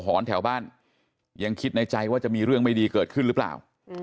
หอนแถวบ้านยังคิดในใจว่าจะมีเรื่องไม่ดีเกิดขึ้นหรือเปล่า